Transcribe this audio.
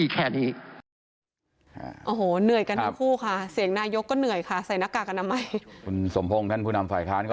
แค่นี้คุณสมพงศ์ท่านผู้นำฝ่ายค้านก็